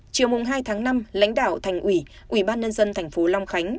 trước mùng hai tháng năm lãnh đạo thành ủy ủy ban nhân dân tp long khánh